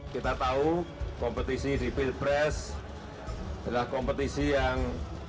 kita tahu kompetisi di pilpres adalah kompetisi yang